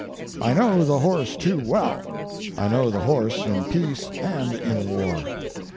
I know the horse too well; I know the horse in peace and in war.